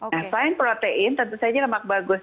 nah selain protein tentu saja lemak bagus